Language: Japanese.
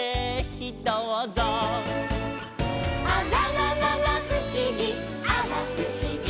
「あららららふしぎあらふしぎ」